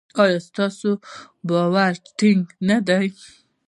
ایا ستاسو باور ټینګ نه دی؟